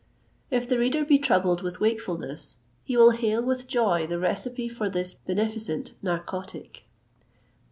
If the reader be troubled with wakefulness, he will hail with joy the recipe for this beneficent narcotic.